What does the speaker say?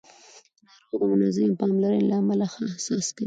ناروغ د منظمې پاملرنې له امله ښه احساس کوي